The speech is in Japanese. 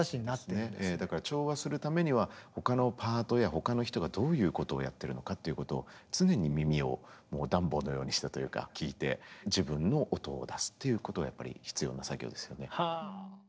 調和するためには他のパートや他の人がどういうことをやってるのかっていうことを常に耳をダンボのようにしてというか聴いて自分の音を出すっていうことがやっぱり必要な作業ですよね。